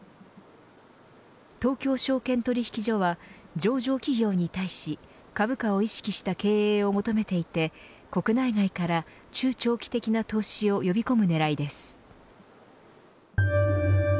東京証券取引所は上場企業に対し株価を意識した経営を求めていて国内外から中長期的な投資を呼び込む狙いです。